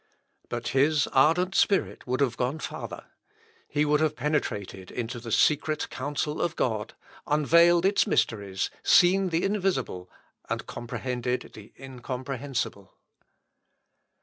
But his ardent spirit would have gone farther. He would have penetrated into the secret counsel of God, unveiled its mysteries, seen the invisible, and comprehended the incomprehensible.